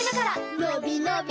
のびのび